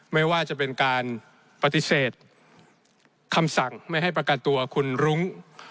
ไม่ว่าจะเป็นการปฏิเสธคำสั่งไม่ให้ประกันตัวคุณรุ้ง